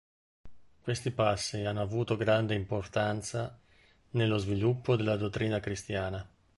Questi passi hanno avuto una grande importanza nello sviluppo della dottrina cristiana.